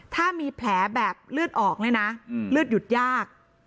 ถ้ามีแผลแบบเลือดออกเนี่ยนะเลือดหยุดยาก